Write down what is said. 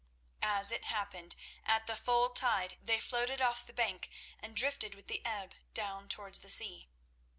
As it happened, at the full tide they floated off the bank and drifted with the ebb down towards the sea.